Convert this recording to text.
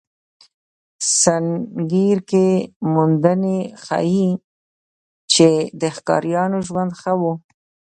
سنګیر کې موندنې ښيي، چې د ښکاریانو ژوند ښه و.